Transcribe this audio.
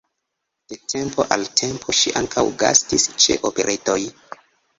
De tempo al tempo ŝi ankaŭ gastis ĉe operetoj.